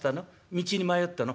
道に迷ったの？」。